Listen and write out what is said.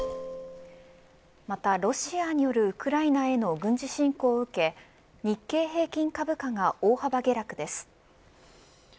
また、ロシアによるウクライナへの軍事侵攻を受け日経平均株価が大幅下落です。